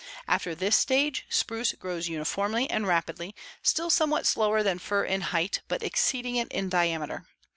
After this stage spruce grows uniformly and rapidly, still somewhat slower than fir in height but exceeding it in diameter.